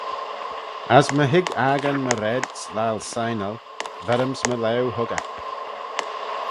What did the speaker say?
As my hig accan my raad's laccal signal, verrym's my laue huggey.